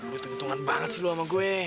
ya lu itu keuntungan banget sih lu sama gue